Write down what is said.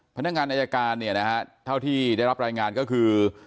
พนักงานอายการเนี่ยนะฮะเท่าที่ได้รับรายงานก็คือ